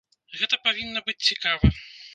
Гэта павінна быць цікава!